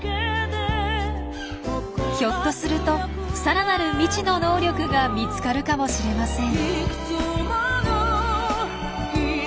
ひょっとするとさらなる未知の能力が見つかるかもしれません。